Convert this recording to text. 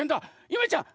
ゆめちゃん